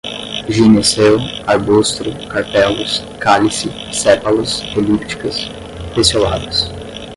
gineceu, arbustro, carpelos, cálice, sépalas, elípticas, pecioladas